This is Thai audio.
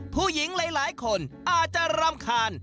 ผู้หญิงหลายคนอาจจะรำคาญ